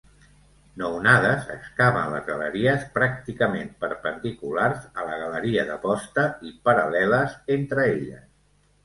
Nounades excaven les galeries pràcticament perpendiculars a la galeria de posta i paral·leles entre elles.